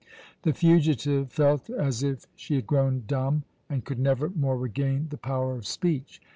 The fugitive felt as if she had grown dumb and could never more regain the power of speech.